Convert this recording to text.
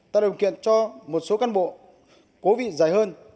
tạo điều kiện cho một số cán bộ cố vị dài hơn